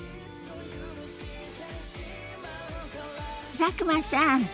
佐久間さん